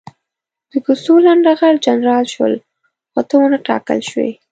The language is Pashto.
د کوڅو لنډه غر جنرالان شول، خو ته ونه ټاکل شوې.